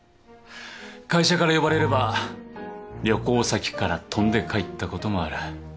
会社から呼ばれれば旅行先から飛んで帰ったこともある。